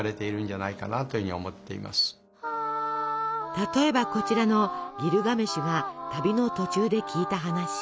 例えばこちらのギルガメシュが旅の途中で聞いた話。